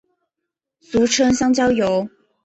俗称香蕉油。